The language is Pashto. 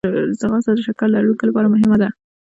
ځغاسته د شکر لرونکو لپاره مهمه ده